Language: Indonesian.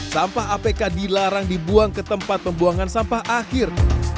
sampah apk dilarang dibuang ke tempat pembuangan sampah akhir